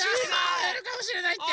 あえるかもしれないって。